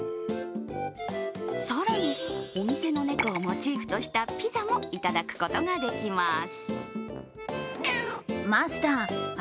更に、お店の猫をモチーフとしたピザもいただくことができます。